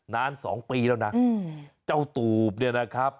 นาน๒ปีแล้วนะเจ้าตูบเนี่ยนะครับ